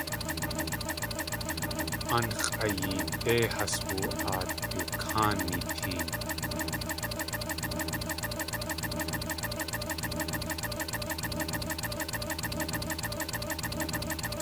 Aan x̲ʼayeedé has woo.aat du káani teen.